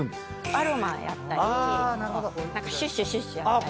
アロマやったりシュッシュシュッシュやったり。